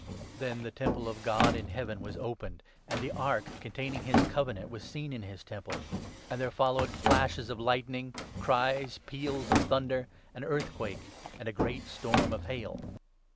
Then the Temple of God in Heaven was opened, and the Ark 19 containing his Covenant was seen in his Temple ; and there followed ' flashes of lightning, cries, peals of thunder,' an earthquake, and 'a great storm of hail.'